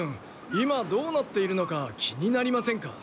今どうなっているのか気になりませんか？